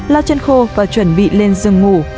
lao chân khô và chuẩn bị lên giường ngủ